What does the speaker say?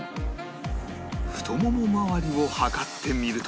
太ももまわりを測ってみると